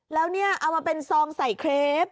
แล้วเนี่ยเอามาเป็นซองใส่เครป